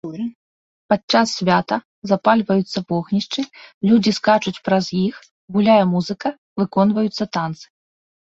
Падчас свята запальваюцца вогнішчы, людзі скачуць праз іх, гуляе музыка, выконваюцца танцы.